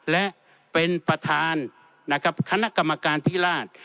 และเป็นประธานคณะกรรมการที่ราช